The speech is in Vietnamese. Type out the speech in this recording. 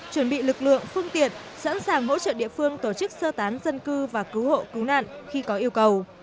chuẩn bị lực lượng phương tiện sẵn sàng hỗ trợ địa phương tổ chức sơ tán dân cư và cứu hộ cứu nạn khi có yêu cầu